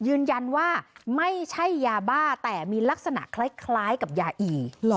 ยืนยันว่าไม่ใช่ยาบ้าแต่มีลักษณะคล้ายกับยาอี